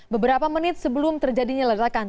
beberapa menit sebelum terjadinya ledakan